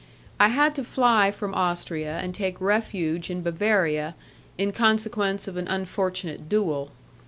I had to fly from Austria and take refuge in Bavaria in consequence of an unfortunate duel.